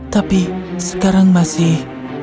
tapi sekarang masih